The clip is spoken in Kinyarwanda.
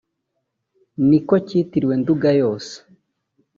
ni ko kitiriwe Nduga yose